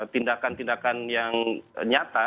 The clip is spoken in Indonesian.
tindakan tindakan yang nyata